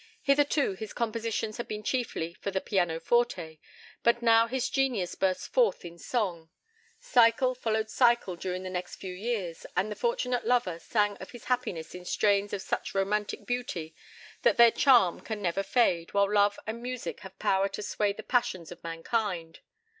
Hitherto his compositions had been chiefly for the pianoforte, but now his genius burst forth in song. Cycle followed cycle during the next few years, and the fortunate lover sang of his happiness in strains of such romantic beauty that their charm can never fade while love and music have power to sway the passions of mankind.